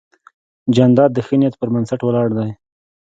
جانداد د ښه نیت پر بنسټ ولاړ دی.